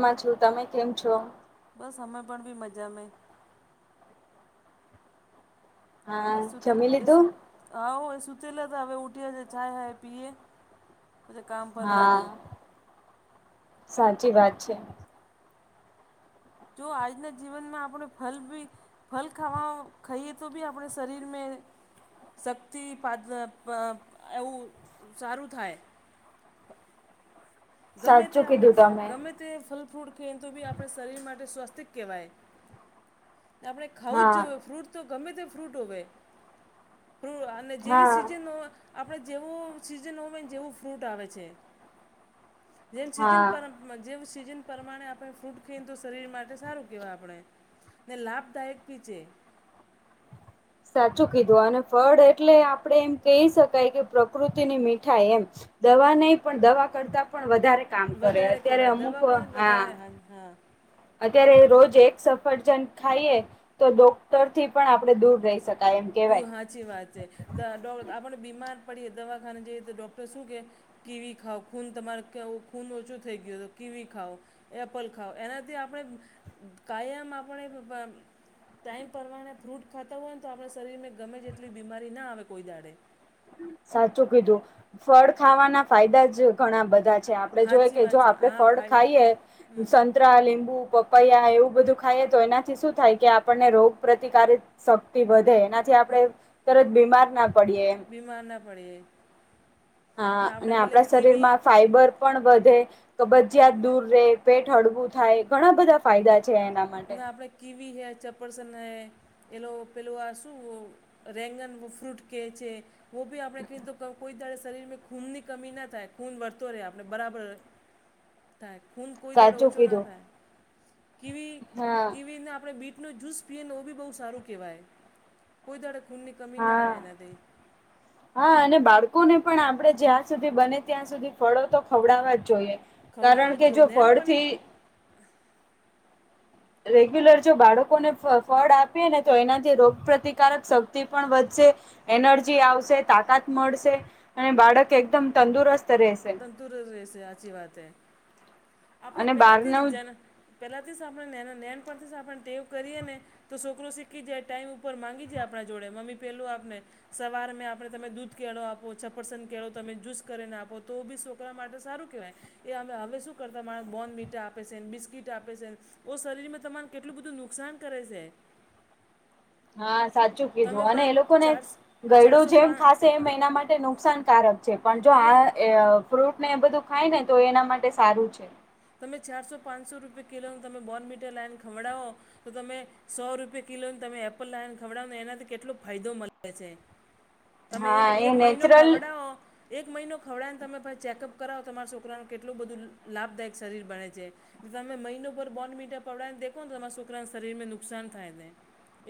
માં છું તમે કેમ છો. બસ અમે પણ બી મજા મે. હા એ સતે જમી એ લીધું આવો એ સુતેલા તો હવે ઉઊઠી જજ ચાય હાય પીએ. પછી કામ પર હા લાગવું સાચી વાત છે. જો આજના જીવનમાં આપણે ફલ ભી. ફલ ખાવા ખાઈએ તો બી આપણે શરીર મે. શક્તિ પા એવું સારું થાય. ગમે તે સાચું આપણે કીધું તમે ગમે તે ફલ ફ્રૂટ ખાઈ તો બી આપણે શરીર માટે સ્વસ્તિક કહેવાય. આપણે ખાવું હા જ જોઈએ ફ્રૂટ તો ગમે તે ફ્રૂટ હો ફ અને જેવી હા સિઝન હોય આપણે જેવું સિઝન હોય ને જેવું ફ્રૂટ આવે છે. જેમ હા સિઝન પર જેમ સિઝન પ્રમાણે આપણે ફ્રૂટ ખાઈએને તો શરીર માટે સારું કેહેવાય આપણે. ને લાભદાયક પી છે. સાચું કીધું અને ફળ એટલે આપણેે એમ કહી શકાય કે પ્રકૃતિની મીઠાઈ એમ. દવા નહી પણ દવા કરતા પણ વધારે કામ કરે અત્યારે અમુક હા. હન હા. અત્યારે રોજ એક સફરજન ખાઈએ તો ડોક્ટર થી પણ આપણે દૂર રહી શકીએ. દુ હાચી વાત છે આપણે બીમાર પડીએ દવાખાને જઈએ તો ડોક્ટર શું કે કીવી ખાઓ ખૂન તમારે કમ ખૂન ઓછો થઈ ગયો હતો કીવી ખાવ. એપલ ખાઓ એનાથી આપણે કાયમ આપણે ટાઈમ પરમાણે ફ્રૂટ ખાતા હોય ને તો આપણા શરીરમાં ગમે જેટલી બીમારી ના આવે કોઈ દાડે. સાચું કીધું ફળ ખાવાના ફાયદા જ. ઘણા બધા છે આપડે જોઈએ સાચી કે વાત જો છે આપડે હા ફળ ફાયદા ખાઈએ હમ સ. કતરા લીંબુ પપૈયા એવું બધું ખાય તો એનાથી શું થાય કે આપણને રોગ પ્રતિકાર. શક્તિ વધે એનાથી આપણે તરત બીમાર ના પડીએ. એમ ી મારના પડે. હા અને આપણા કીવી શરીરમાં ફાઈબર. પણ વધે કબજીયાત દૂર રે પેટ હળવું થાય ઘણા બધા ફાયદા છે એના. માટે ના આપડે કીવી હૈ ચપ્પરસ ન હૈ પેલું પેલું આ શું રેંગનનું ફ્રૂટ કેચે. હો બી આપણે કુ કોઈ દા શરીરમાં ખૂનની કમી ના થાય ખૂન વળતો રહે આપણે બરાબર થાય. હૂન કોઈ દાડો સાચું ઓછો ના કીધું થાય કીવી હા. કીવીને આપણે બીટનો જ્યૂસ પીએ ને એ બી બહુ સારું કહેવાય. કોઈ દાડો ખૂનની કમી ના હા આવે એનાથી. [inaudible] હા અને બાળકોને પણ આપડણે જ્યાં સુધી બને ત્યાં સુધી ફળો તો ખવડાવવા જ જોઈએ. ખવડાવવા કારણ જ કે જોઈએ જો નેન પણ ફળથી રેગ્યુલર જો બાળકોને ફ ફળ આપીએ ને તો એનાથી રોગપ્રતિકારક શક્તિ પણ વધશે. એનર્જી આવશે તાકાત મળશે અને બાળક એકદમ તંદુરસ્ત રહેશે. તંદુરસ્ત રેસે હાચી વાત હૈ આપણે અને પેલાથી બહારનું જ. પેલાથી આપણે નેના નેન પરથી આપણે ટેવ કરીને તો છોકરો શીખી જાય ટાઈમ ઉપર માંગી જાય આપણા જોડે મમ્મી પેલું આપને. સવાર મેં આપણે તમે દૂધ કેળો આપો છપરસન કેળો તમે જુસ કરીને આપો. તો બી છોકરા માટે સારું કહેવાય. એ અમે હવે શું કરતા મારા બોન મીટા આપે છેને બિસ્કીટ આપે છે. ઓ શરીરમાં તમારે કેટલું બધું નુકસાન કરે છે. હા સાચું તમે કીધું અને બ એ લોકો ને ચાર ગયડું ચારસો જેમ પા ખાસે એમ એના માટે નુકસાનકારક છે પણ જો તમે આ એ. ફ્રૂટ ને એ બધું ખાય ને તો એના માટે સારું છે. તમે ચારસો પાંચસો રૂપિયા કિલોનું તમે બોર્નવિટા લાઈને ખવડાવો તો તમે સો રૂપિયા કિલો તમે એપલ લાવને ખવડાવો ને એનાથી કેટલો ફાયદો મળે છે. [inaudible] તમે એક એ એક મહિનો નેચરલ ખવડાઓ એક મહિનો ખવડાવને તમે પછી ચેકઅપ કરાવો તમારા છોકરાનું કેટલું બધું લાભદાયક શરીર બને છે. તમે મહિનો પર બોન્ડવિટા પવડા ને દેખો ને તમારા છોકરાને શરીરને નુકસાન થાય ને.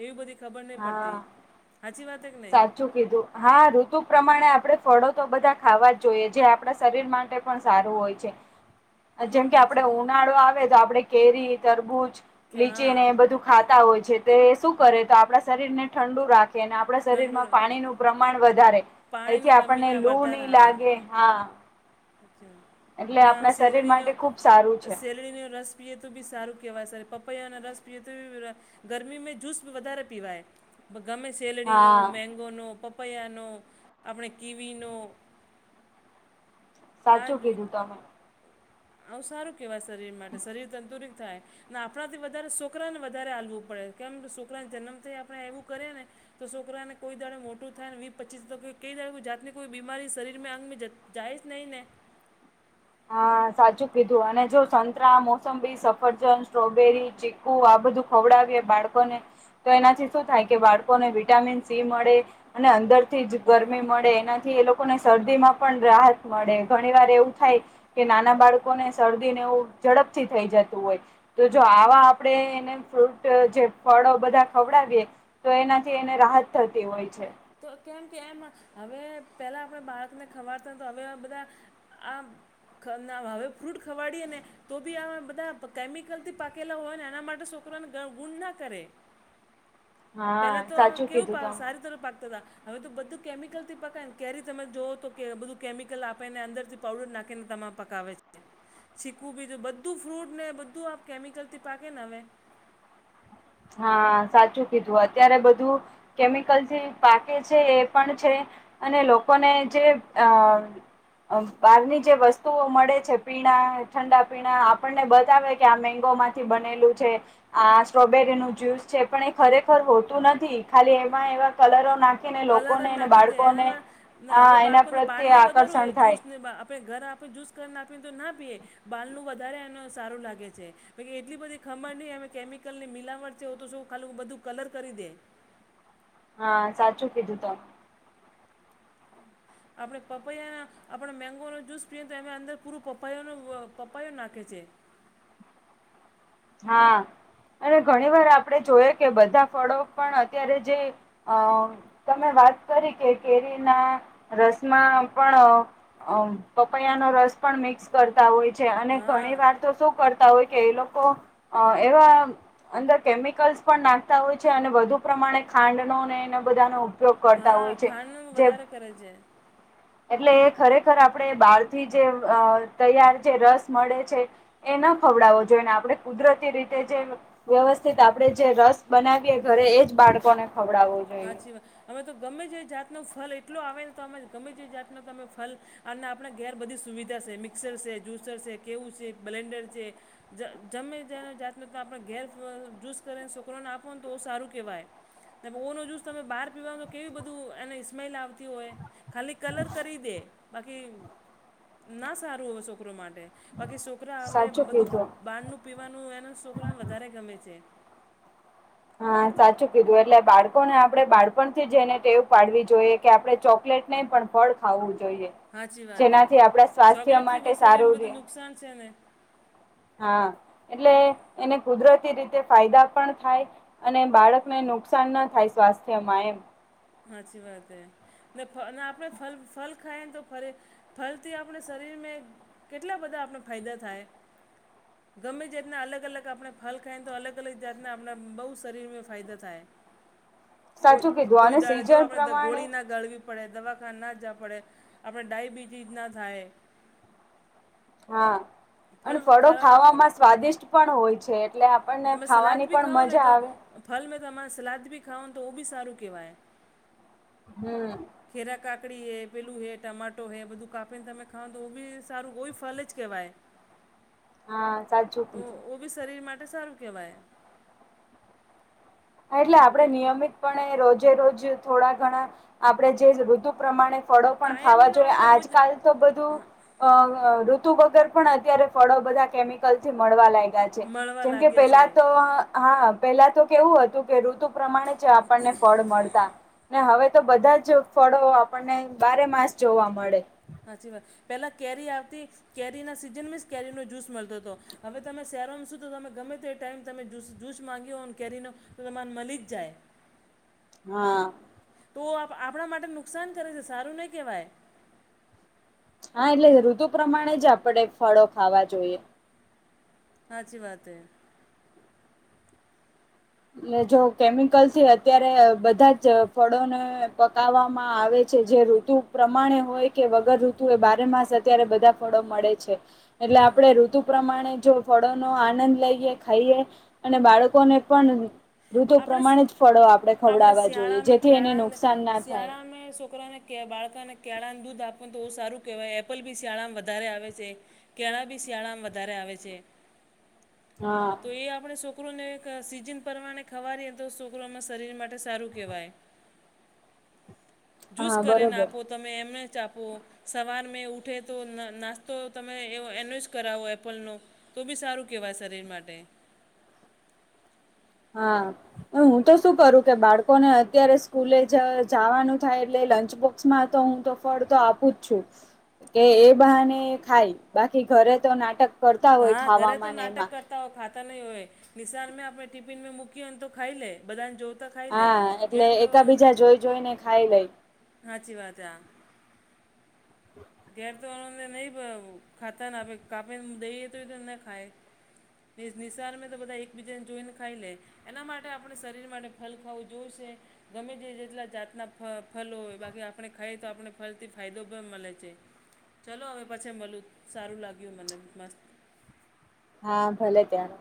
એવી બધી ખબર નહીં પડતી હાચી વાત કે નહીં. હાચુ કીધું હા ઋતુ પ્રમાણે આપણે ફળો તો બધા ખાવા જ જોઈએ જે આપણા શરીર માટે પણ સારું હોય છે. જેમ કે આપડે સાચી ઉનાળો આવે તો આપડે કેરી, તરબૂચ કે હા લીચીને એ બધું ખાતા હોય છે તે શું કરે તો આપણા શરીરને ઠંડુ રાખે અને આપણા ઠંડુ શરીરમાં પાણીનું પ્રમાણ વધારે એથી પાણીની આપણને કમીના લૂ ની લાગે હા. અચ્છા એટલે જે આમ આપણા શરીર સેલડીનો માટે ખુબ સારું છે શેલડીનો રસ, પીએ તો બી સારું કહેવાય સર પપૈયા અને રસ પીએ તો બી ગરમીમાં જૂસ વધારે પીવાય. ગમે સેલડીનો, હા મેંગોનો, પપૈયાનો આપણે કીવીનો. આ સાચું જ કીધું તમે. આવું સારું કેવાય શરીર માટે શરીર તંદુરત થાય. ને આપણાથી વધારે સોકરાને વધારે આલવું પડે. કેમ કે સોકરાને જન્મથી આપણે એવું કરીએ ને. તો સોકરાને કોઈ દાડે મોટું થાય ને વીસ પચીસ તો કઈ દા જાતની કોઈ બીમારી શરીરમાં અંગમે જત જાય જ નહીં ને. હા સાચું કીધું અને જો સંતરા, મોસંબી, સફરજન સ્ટ્રોબેરી, ચીકુ હુ આ બધું ખવડાવીએ બાળકોને તો એનાથી શું થાય કે બાળકોને વિટામિન સી મળે. અને અંદરથી જ ગરમી મળે એનાથી એ લોકોને શરદી માં પણ રાહત મળે ઘણી વાર એવું થાય કે નાના બાળકોને શરદી ને એવું ઝડપથી થઈ જતું હોય. તો જો આવા આપણેે એને ફ્રૂટ જે ફળો બધા ખવડાવીએ. તો એનાથી એને રાહત થતી હોય છે. તો કેમ કે એમ હવે પેલા આપણે બાળકને ખવાડતા તા હવે બધા આમ ના હવે ફ્રૂટ ખવાડીએ ને તો બી આ બધા કેમિકલથી પાકેલા હોય ને એના માટે સોકરોને ગ ગુણ ના કરે. [inaudible] પેલા તો સાચું કેવું કીધું પા તમે સારી તર પાક તાતા હવે તો બધું કેમિકલથી પકાયને કેરી તમે જોઓ તો કે બધું કેમિકલ આપે ને અંદરથી પાવડર નાખીને તમારે પકાવે છે. શીખવું બી જો બધું ફ્રૂટ ને બધું આપ કેમિકલથી પાકે ને હવે હા સાચું કીધું અત્યારે બધું કેમિકલથી પાકે છે એ પણ છે અને લોકોને જે અ બહારની જે વસ્તુઓ મળે છે. પીણા, ઠંડા પીણા આપણને બતાવે કે આ મેંગોમાં થી બનેલું છે, આ સ્ટ્રોબેર રીનો જ્યુસ છે. પણ એ ખરેખર હોતું નથી ખાલી એમાં એવા કલરો નાખ કલર જ નાખી દે એનામાં ને હા હવે એના બાળકોને પ્રત્યે બારનું વધારે આકર્ષણ હોય થાય જૂસને આપે ઘરે આપે જૂસ કરને આપીને તો ના પીએ. બારનું વધારે એને સારું લાગે છે. હવે કે એટલી બધી ખમણની અમે કેમિકલની મિલાવટ છે તો શું ખાલું બધું કલર કરી દે. હા સાચું કીધું તમ આપણે પપૈયાના આપણે મેંગોનો જુસ પીએ તો એને અંદર પૂરું પપૈયાનો પપૈયો નાખે છે. હા અને ઘણી વાર આપણે જોઈએ કે બધા ફળો પણ અત્યારે જે અ તમે વાત કરી કે કેરીના રસના પણ અ પપૈયાનો રસ પણ મિક્સ કરતા હોય છે. અને હા ઘણી વાર તો શું કરતા હોય કે એ લોકો અ એવા અંદર કેમિકલ્સ પણ નાખતા હોય છે. અને વધુ પ્રમાણે ખાંડનો ને એનો બધાનો ઉપયોગ કરતા હોય હહ છે ખાંડનું જે વધારે કરે છે. એટલે એ ખરેખર આપણે બહારથી જે અ તૈયાર જે રસ મળે છે. એ ન ખવડાવો જોઈએ ને આપણે કુદરતી રીતે જે વ્યવસ્થિત આપડે જે રસ બનાવીએ ઘરે એજ બાળકોને ખવડાવો સાચી વાત. હવે તો ગમે તે જાતનો ફલ એટલો આવે ને તો અમે ગમે તે જાતનો તમે ફલ અને આપણા ઘેર બધી સુવિધા છે. મિક્સર છે, જ્યુસર છે, કેવું છે, બ્લેન્ડર છે. જ જમે જ જાતનો આપણે ઘેર જૂસ કરીને સોકરાને આપો ને તો ઓ સારું કહેવાય. પોઓનો જૂસ તમે બહાર પીવાનો કેવી બધું એને સ્મેલ આવતી હોય ખાલી કલર કરી દે. બાકી ના સારું હોય સોકરો માટે. બાકી સોકરા હવે સાચું બધું કીધું. બારનું પીવાનું એના સોકરાને વધારે ગમે છે. હા સાચું કીધું. એટલે બાળકોને આપણે બાળપણથી જ એને ટેવ પાડવી જોઈએ કે આપણે ચોકલેટ નહીં પણ ફળ ખાવું જોઈએ. હાચી વાત હે જેનાથી આપણા સ્વાસ્થ્ય ચોકલેટથી માટે બી શરીરમાં સારું રે. બધું નુકસાન સે ને? હા એટલે એને કુદરતી રીતે ફાયદા પણ થાય. અને બાળકને નુકસાન ના થાય સ્વાસ્થ્યમાં એમ. હાચી વાત હૈ. ને અને આપણે ફ ફલ ખાયને તો ફરી ફલથી આપણે શરીર મે કેટલા બધા આપણે ફાયદા થાય [inaudible] ગમે જાતના અલગ અલગ આપણે ફલ ખાઈએ ને તો અલગ અલગ જાતના આપના બહુ શરીરમે ફાયદા થાય. કોઈ સાચું કીધું. કોઈ અને દાડે જો સીઝન આપણે પ્રમાણે ગોળી ના ગાળવી. પડે, દવાખાન ના જાવા પડે, આપણે ડાયબિટીસ ના થાય. હા અને ફળો ખાવામાં સ્વાદિષ્ટ પણ હોય છે. એટલે આપણને તમે સલાદ ખાવાની બી પણ ખાઓ ને મજા તો આવે. ફલ મે તો મા સલાદ બ ખાવા તો ઓ સારું કહેવાય. હમ. ખેરા કાકડી હે પેલું હે ટમાટો હે બધું કાપીને તમે ખા તો એ બી સારું કોઈ ફલ જ કહેવાય. હા સાચું તો કીધું. ઓ બી શરીર માટે સારું કહેવાય. એટલે આપણે કે નિયમિતપણે રોજે રોજ થોડા ઘણા આપણે જે ઋતુ પ્રમાણે ફળો પણ ખાવા કાયમનો જોઈએ આપણે રોજ આજકાલ તો બધું અ ઋતુ વગર પણ અત્યારે ફળો બધા કેમિકલ થી મળવા લાગ્યા છે. મળવા જેમ કે લાગ્યા છે પેલા તો. હા પેલા તો કેવું હતું કે ઋતુ પ્રમાણે જ આપણને ફળ મળતા. ને હવે તો બધા જ ફળો આપણને બારે માસ જોવા મળે. સાચી વાત પહેલા કેરી આવતી કેરીના સિઝનમાં જ કેરીનો જૂસ મળતો હતો. હવે તમે શહેરોમાં શું તો તમે ગમે તે ટાઈમ તમે જૂસ માંગ્યો કેરીનો. તોમાન મળલી જ જાય. હા. તો આપણા માટે નુકસાન કરે છે સારું નહી કહેવાય. હા એટલે ઋતુ પ્રમાણે જ આપણે ફળો ખાવા જોઈએ. હાચી વાત હૈ. એટ જો કેમિકલ થી અત્યારે બધા જ ફળોને પકાવવામાં આવે છે જે. ઋતુ પ્રમાણે હોય કે વગર ઋતુ એ બારે માસ અત્યારે બધા ફળો મળે છે. એટલે આપણે ઋતુ પ્રમાણે જો ફળોનો આનંદ લઈએ ખાઈએ અને બાળકોને પણ ઋતુ આપણે પ્રમાણે જ ફળો આપણે ખવડાવવા જોઈએ જેથી એને નુકસાન ના થાય. અમે છોકરાને કે બાળકાને કળાને દૂધ આપવાનું તો બુ સારું કહેવાય એપલ બી શિયાળામાં વધારે આવે છે. કેળા બી શિયાળામાંમ વધારે આવે છે. હા. તો એ આપણે છોકરો ને એક સીજન પમાણે. ખવારીએ તો છોકરોમાં શરીર માટે સારું કહેવાય. જ્યુસ હા કરીને બરોબર આપો તમે એમને ચ આપો. સવાર મેં ઉઠે તો નાસ્તો તમે એનો જ કરાવો એપલનુ. તો બી સારું કેહેવાય શરીર માટે. હા. હું તો શું કરું કે બાળકોને અત્યારે સ્કૂલે જ જવાનું થાય એટલે લંચ બોક્સમાં તો હું તો. ફળ તો આપું જ છું કે એ બહાને ખાય બાકી ઘરે તો નાટક કરતા હોય હા ઘરે તો ખાવામાં નાટક એમાં. કરતા ખાતા નહીં હોય નિશાન આપણે ટિફિનમાં મૂકીને તો ખાઈ લે બધાને જો હા એટલે એકા બીજા જોઈ જોઈને ખાઈ લઈ. સાચી વાત છે. [unintelligible] ઘેર તોને નહી ખાતા કાપેને દઈએ તો ખાય. નિસાર મે તો બધા એકબીજા ને જોઈ ને ખાઈ લે. એના માટે આપણે શરીર માટે ફલ ખાવું જોયુંશે ગમે તે જેટલા જાતના ફલોય બાકી આપણે ખાઈએ તો આપણે ફલ થી ફાયદો પણ મળે છે. ચાલો હવે પછી મલું સારું લાગ્યું મને મસ્ત હા ભલે ત્યાં.